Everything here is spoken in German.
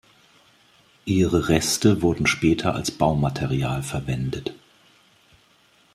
Ihre Reste wurden später als Baumaterial verwendet.